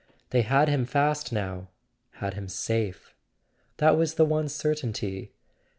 They had him fast now, had him safe. That was the one certainty.